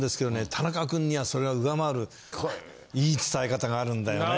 田中君にはそれを上回るいい伝え方があるんだよね。